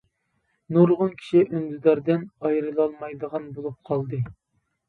نۇرغۇن كىشى ئۈندىداردىن ئايرىلالمايدىغان بولۇپ قالدى.